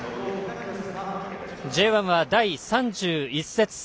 Ｊ１は第３１節。